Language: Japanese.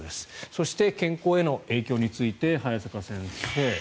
そして、健康への影響について早坂先生。